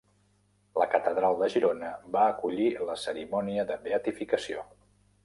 La Catedral de Girona va acollir la cerimònia de beatificació.